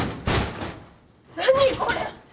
何これ！？